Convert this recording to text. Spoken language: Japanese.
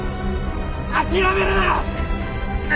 諦めるな！